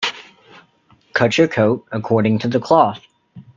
Cut your coat according to the cloth.